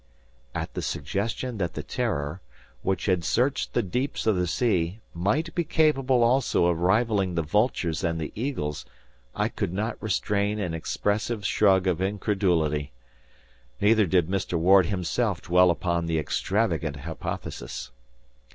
At the suggestion that the "Terror," which had searched the deeps of the sea, might be capable also of rivaling the vultures and the eagles, I could not restrain an expressive shrug of incredulity. Neither did Mr. Ward himself dwell upon the extravagant hypothesis.